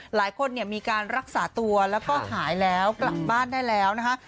หลายคนเนี่ยมีการรักษาตัวแล้วก็หายแล้วกลับบ้านได้แล้วนะคะ